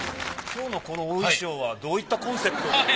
今日のこのお衣装はどういったコンセプトで。